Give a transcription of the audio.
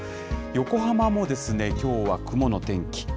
横浜もですね、きょうは雲の天気。